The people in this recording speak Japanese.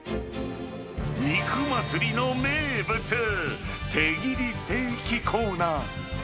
肉祭りの名物、手切りステーキコーナー。